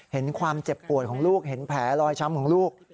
เห็นความเจ็บปวดของลูกเห็นแผลลอยช้ำของลูก